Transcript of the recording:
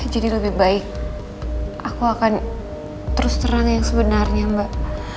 jadi lebih baik aku akan terus terang yang sebenarnya mbak